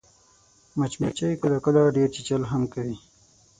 مچمچۍ کله کله ډېر چیچل هم کوي